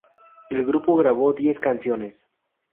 El grupo grabó diez canciones.